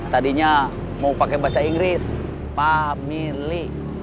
tadinya mau pakai bahasa inggris family